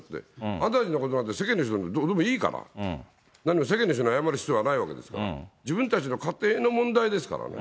あんたたちのことなんて、世界の人はどうでもいいから、何も世間の人に謝る必要はないわけですから、自分たちの家庭の問題ですからね。